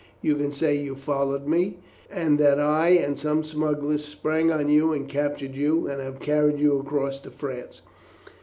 You can say you followed me, and that I and some smugglers sprang on you and captured you, and have carried you across to France.